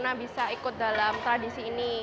bagaimana bisa ikut dalam tradisi ini